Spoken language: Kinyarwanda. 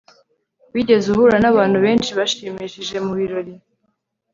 wigeze uhura nabantu benshi bashimishije mubirori